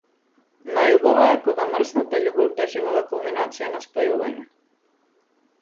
Најубаво е кога мрсната љубов доживува кулминација на спојување.